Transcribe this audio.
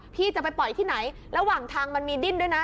พี่จะไปปล่อยที่ไหนระหว่างทางมันมีดิ้นด้วยนะ